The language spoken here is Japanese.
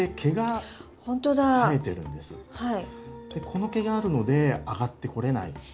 この毛があるので上がってこれないんです。